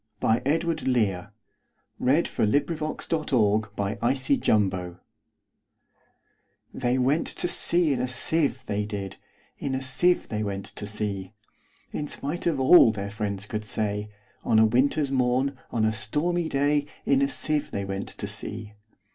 1895. Edward Lear 1812–88 The Jumblies Lear Edw THEY went to sea in a sieve, they did; In a sieve they went to sea; In spite of all their friends could say, On a winter's morn, on a stormy day, In a sieve they went to sea.